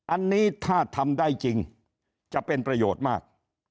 อันนี้ถ้าทำได้จริงจะเป็นประโยชน์มาก